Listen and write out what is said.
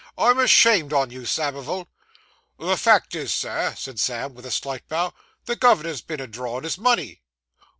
I'm ashamed on you, Samivel.' 'The fact is, Sir,' said Sam, with a slight bow, 'the gov'nor's been a drawin' his money.